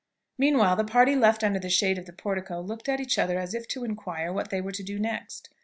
Meanwhile the party left under the shade of the portico looked at each other as if to inquire what they were to do next.